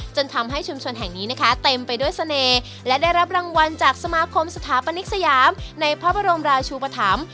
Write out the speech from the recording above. จนทำให้ชุมชนแห่งนี้นะคะเต็มไปด้วยเสน่ห์และได้รับรางวัลจากสมาคมสถาปนิกสยามในพระบรมราชูปธรรม